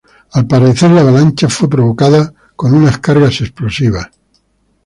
Al parecer la avalancha fue provocada con unas cargas explosivas.